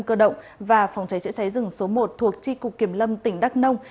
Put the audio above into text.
cơ động và phòng cháy chữa cháy rừng số một thuộc tri cục kiểm lâm tỉnh đắk nông